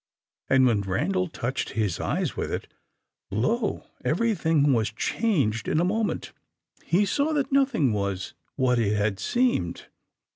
And when Randal touched his eyes with it, lo, everything was changed in a moment. He saw that nothing was what it had seemed.